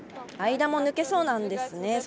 間も抜けそうなんですね。